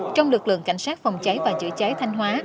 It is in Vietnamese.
trong lực lượng cảnh sát phòng cháy và chữa cháy thanh hóa